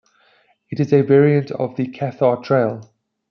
It is a variant of the Cathar trail.